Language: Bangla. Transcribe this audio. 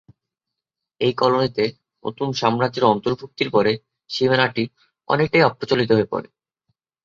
এই কলোনিতে নতুন সাম্রাজ্যের অন্তর্ভুক্তির পরে সীমানাটি অনেকটাই অপ্রচলিত হয়ে পড়ে।